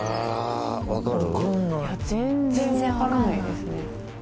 全然わからないですね。